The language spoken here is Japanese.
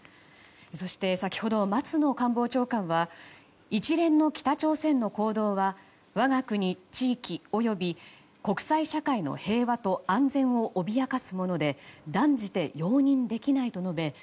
そして先ほど松野官房長官は一連の北朝鮮の行動は我が国、地域及び国際社会の平和と安全を脅かすもので断じて容認できないと述べ